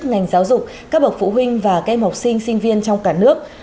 ngành giáo dục các bậc phụ huynh và các em học sinh sinh viên trong cả nước